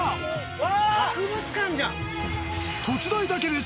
うわ。